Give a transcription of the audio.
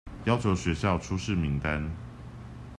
要求學校出示名單